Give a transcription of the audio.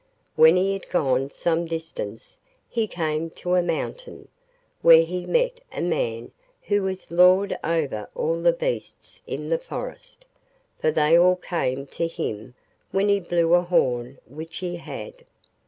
When he had gone some distance he came to a mountain, where he met a man who was Lord over all the beasts in the forest—for they all came to him when he blew a horn which he had.